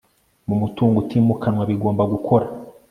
mu mutungo utimukanwa bigomba gukora